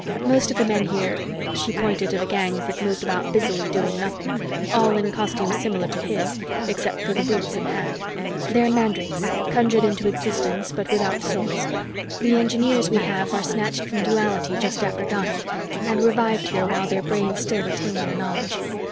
"Most of the men here " She pointed to the gangs that moved about busily doing nothing, all in costumes similar to his, except for the boots and hat. "They're mandrakes, conjured into existence, but without souls. The engineers we have are snatched from Duality just after dying and revived here while their brains still retain their knowledge.